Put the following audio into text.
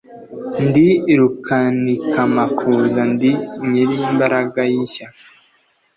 Ndi Rukanikamakuza Ndi Nyirimbaraga y' ishyaka